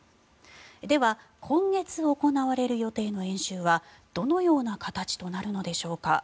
では、今月行われる予定の演習はどのような形となるのでしょうか。